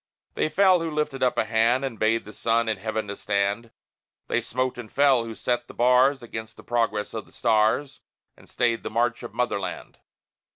They fell, who lifted up a hand And bade the sun in heaven to stand; They smote and fell, who set the bars Against the progress of the stars, And stayed the march of Motherland.